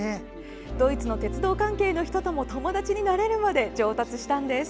ドイツの鉄道関係の人とも友達になれるまで上達したんです。